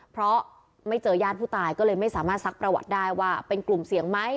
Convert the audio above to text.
เพราะไม่เจอญาติผู้ตายก็เลยไม่สามารถซักประวัติได้ว่าเป็นกลุ่มเสี่ยงไหม